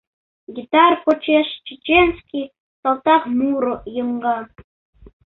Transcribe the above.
Гитар почеш «чеченский» салтак муро йоҥга.